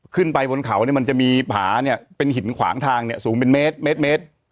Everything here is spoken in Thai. ขึ้นไปบนเขาเนี่ยมันจะมีผาเนี่ยเป็นหินขวางทางเนี่ยสูงเป็นเมตร